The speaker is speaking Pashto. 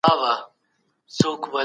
ملي شورا نظامي اډه نه جوړوي.